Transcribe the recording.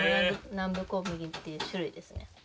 南部小麦っていう種類ですね。